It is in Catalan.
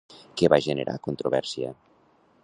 Què va generar controvèrsia?